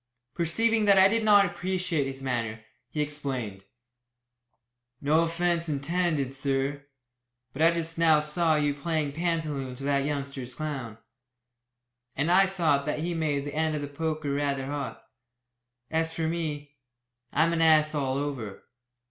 Perceiving that I did not appreciate his manner, he explained. "No offence intended, sir. But I just now saw you playing pantaloon to that youngster's clown, and I thought that he made the end of the poker rather hot. As for me, I'm an ass all over.